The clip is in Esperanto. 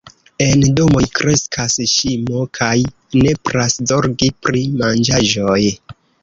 En domoj kreskas ŝimo kaj nepras zorgi pri manĝaĵoj.